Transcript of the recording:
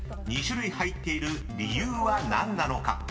［２種類入っている理由は何なのか？］